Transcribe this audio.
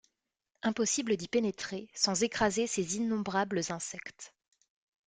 Impossible d’y pénétrer sans écraser ces innombrables insectes.